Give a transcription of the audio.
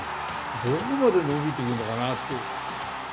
どこまで伸びていくのかなと。